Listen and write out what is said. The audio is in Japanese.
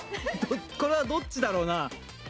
これはどっちだろうな？